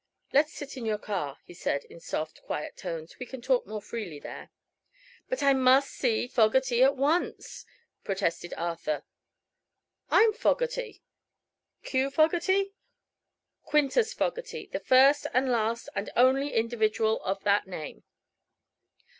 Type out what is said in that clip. "Let's sit in your car," he said, in soft, quiet tones. "We can talk more freely there." "But I must see Fogerty at once!" protested Arthur. "I'm Fogerty." "Q. Fogerty?" "Quintus Fogerty the first and last and only individual of that name."